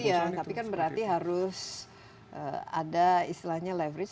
nah itu dia tapi kan berarti harus ada istilahnya leverage